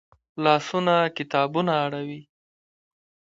لاسونه کتابونه اړوي